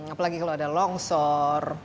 apalagi kalau ada longshore